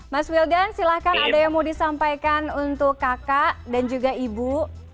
mas wildan silahkan ada yang mau disampaikan untuk kakak dan juga ibu